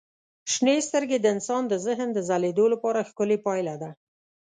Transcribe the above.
شنې سترګې د انسان د ذهن د ځلېدو لپاره ښکلي پایله ده.